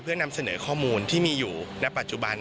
เพื่อนำเสนอข้อมูลที่มีอยู่ณปัจจุบัน